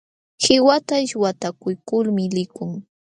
Qiwata shwatakuykulmi likun.